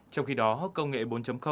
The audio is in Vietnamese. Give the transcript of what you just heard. trong khi đó công nghệ bốn